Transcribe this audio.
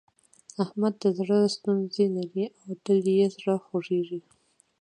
احمد د زړه ستونزې لري او تل يې زړه خوږېږي.